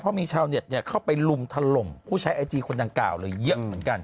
เพราะมีชาวเหนืออยากเข้าไปลุมทะลมกูใช้ไอจีคนจังเก่าเลยเยอะเหมือนกัน